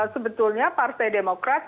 sebetulnya partai demokrat